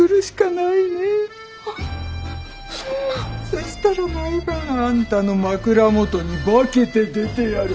そしたら毎晩あんたの枕元に化けて出てやる。